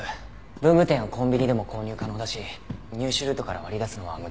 文具店やコンビニでも購入可能だし入手ルートから割り出すのは難しそうですね。